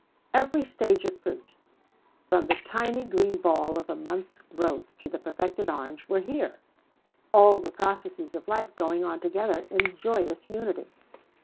Every stage of fruit, from the tiny green ball of a month's growth to the perfected orange, were here; all the processes of life going on together in joyous unity.